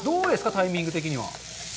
タイミング的には。